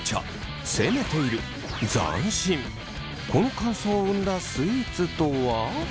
この感想を生んだスイーツとは？